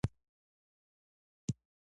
کلچې په اختر کې پخیږي؟